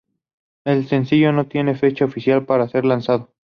El sencillo no tiene fecha oficial para ser lanzado.